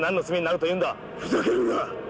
ふざけるな！